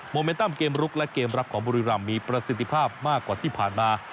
เมนตัมเกมลุกและเกมรับของบุรีรำมีประสิทธิภาพมากกว่าที่ผ่านมา